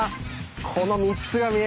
この３つが見える。